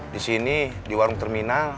di sini di warung terminal